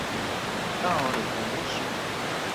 A hora do almoço?